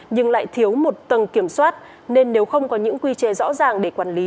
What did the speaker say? nhưng lại thiếu một tầng kiểm soát nên nếu không có những quy chế rõ ràng để quản lý